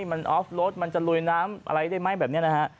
มันออฟรถมันจะลุยน้ำอะไรได้ไหมแบบนี้นะฮะ